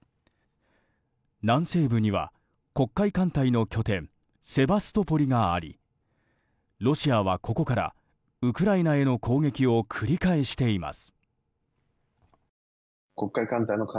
南西部には黒海艦隊の拠点セバストポリがありロシアはここからウクライナへの攻撃を繰り返しています。